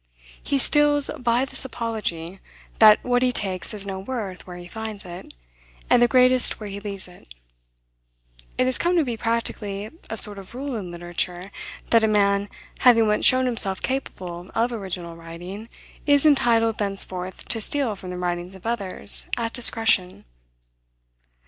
He steals by this apology, that what he takes has no worth where he finds it, and the greatest where he leaves it. It has come to be practically a sort of rule in literature, that a man, having once shown himself capable of original writing, is entitled thenceforth to steal from the writings of others at discretion.